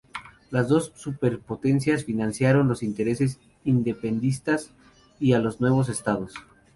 Las dos superpotencias financiaron los intereses independentistas y a los nuevos Estados.